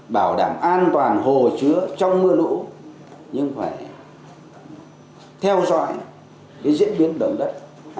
bảo đảm an toàn hồ chứa trong mưa nũ nhưng phải theo dõi diễn biến đậm đất